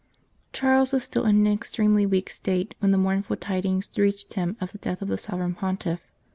CHARLES was still in an extremely weak state when the mournful tidings reached him of the death of the Sovereign Pontiff.